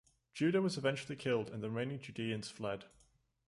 Judah was eventually killed and the remaining Judeans fled.